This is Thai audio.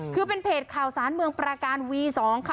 คือเป็นเพจข่าวสารเมืองประการวี๒ค่ะ